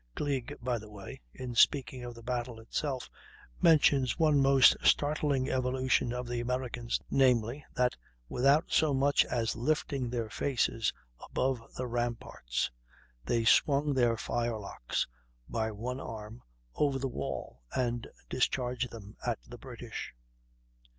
Gleig, by the way, in speaking of the battle itself, mentions one most startling evolution of the Americans, namely, that "without so much as lifting their faces above the ramparts, they swung their firelocks by one arm over the wall and discharged them" at the British.